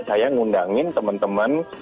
saya ngundangin teman teman